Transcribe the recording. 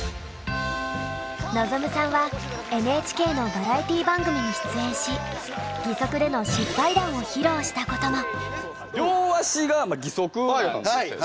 望さんはＮＨＫのバラエティー番組に出演し義足での失敗談を披露したことも。